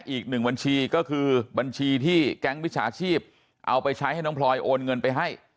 อีกหนึ่งบัญชีก็คือบัญชีที่แก๊งมิจฉาชีพเอาไปใช้ให้น้องพลอยโอนเงินไปให้